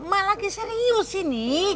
mah lagi serius ini